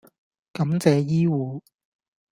感謝醫護